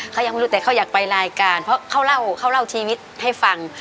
เขายังไม่รู้แต่เขาอยากไปรายการเพราะเขาเล่าเขาเล่าชีวิตให้ฟัง